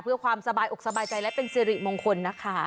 เพื่อความสบายอกสบายใจและเป็นสิริมงคลนะคะ